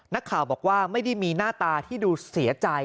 นักข่าวบอกว่าไม่ได้มีหน้าตาที่ดูเสียใจ